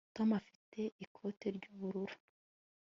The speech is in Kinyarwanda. Tom afite ikote ryubururu